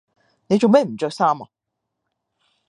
你做咩唔着衫呀？